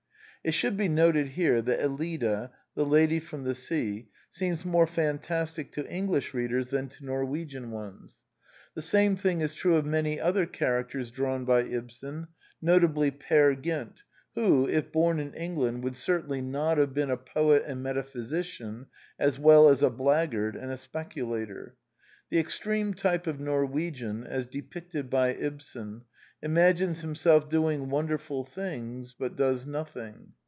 It should be noted here that EUida [call her Eleeda], the Lady from the Sea, seems more fan tastic to English readers than to Norwegian ones. The Anti Idealist Plays 125 The same thing is true of many other characters drawn by Ibsen, notably Peer Gynt, who, if born in England, would certainly not have been a poet and metaphysician as well as a blackguard and a speculator. The extreme type of Norwegian, as depicted by Ibsen, imagines himself doing won derful things, but does nothing.